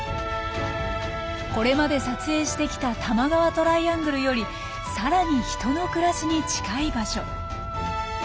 これまで撮影してきた多摩川トライアングルよりさらに人の暮らしに近い場所。